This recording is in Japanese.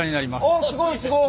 ああすごいすごい！